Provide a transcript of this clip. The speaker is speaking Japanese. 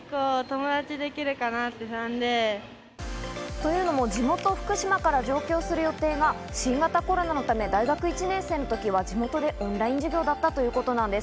というのも地元・福島から上京する予定が、新型コロナのため、大学１年生の時は、地元でオンライン授業だったということなんです。